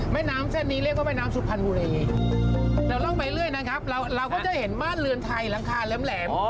แม่น้ำเส้นนี้เรียกว่าแม่น้ำสุพรรณบุรีเราร่องไปเรื่อยนะครับเราก็จะเห็นบ้านเรือนไทยหลังคาแหลม